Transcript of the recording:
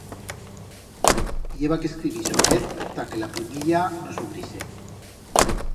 I heba que escribir suavet ta que la pllumilla no s'ubrise.